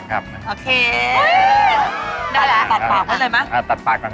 จะได้รู้ว่าเป็นปาก